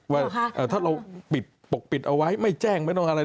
ว่าถ้าเราปิดปกปิดเอาไว้ไม่แจ้งไม่ต้องอะไร